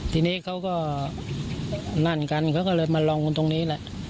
ทีนี้เขาก็นั่นกันเขาก็เลยมาลองกันตรงนี้แหละ